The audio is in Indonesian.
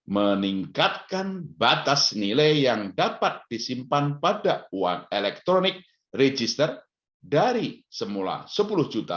meningkatkan batas nilai yang dapat disimpan pada uang elektronik register dari semula sepuluh juta